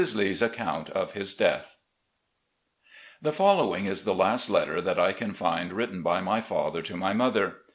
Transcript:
lee's account OF HIS DEATH The following is the last letter that I can find written by my father to my mother.